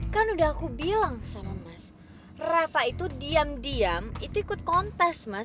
kan udah aku bilang sama mas rafa itu diam diam itu ikut kontes mas